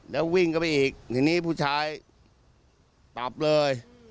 แล้ววิ่งกลับไปอีกทีนี้ผู้ชายตอบเลย